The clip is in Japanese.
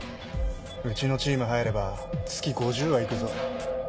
うちのチーム入れば月５０はいくぞ。